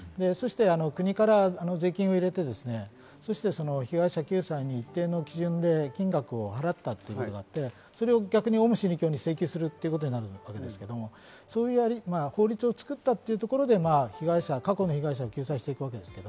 国から税金を入れて被害者救済に一定の基準で金額を払ったということがあって、それを逆にオウム真理教に請求するということになるわけですが、法律を作ったというところで被害者は過去の被害者を救済していきます。